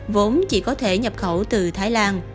vốn chỉ có thể nhập khẩu từ thái lan